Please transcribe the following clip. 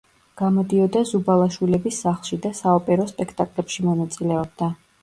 გამოდიოდა ზუბალაშვილების სახლში და საოპერო სპექტაკლებში მონაწილეობდა.